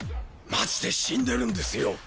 マジで死んでるんですよ